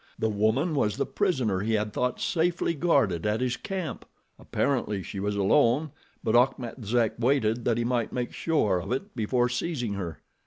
The woman was the prisoner he had thought safely guarded at his camp! Apparently she was alone, but Achmet Zek waited that he might make sure of it before seizing her.